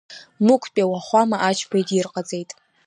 Мықәтәи ауахәама Ачба идирҟаҵеит.